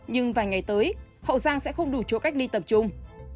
nhưng vài ngày tới hậu giang sẽ không đủ chỗ cách ly tập trung